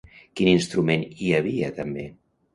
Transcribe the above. Quin instrument hi havia també?